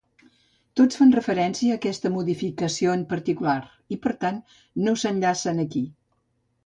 Tots fan referència a aquesta modificació en particular i, per tant, no s'enllacen aquí.